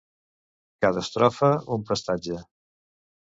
Cada estrofa un prestatge.